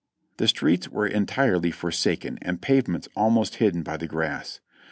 The streets were entirely forsaken, and the pavements almost hidden by the grass.